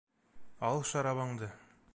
Ал шарабыңды!